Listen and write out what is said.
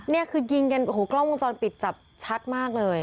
นี่คือยิงกันโอ้โหกล้องวงจรปิดจับชัดมากเลย